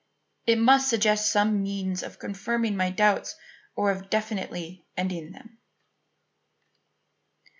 It must suggest some means of confirming my doubts or of definitely ending them."